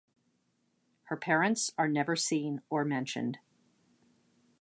Her Parents are never seen or mentioned.